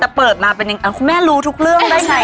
แต่เปิดมาเป็นยังไงคุณแม่รู้ทุกเรื่องได้ไง